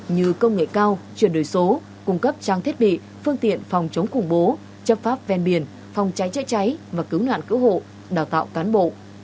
như công nghệ cao chuyển đổi số cung cấp trang thiết bị phương tiện phòng chống khủng bố chấp pháp ven biển phòng cháy chữa cháy và cứu nạn cứu hộ đào tạo cán bộ